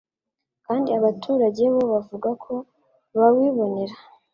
kandi abaturage bo bavuga ko bawibonera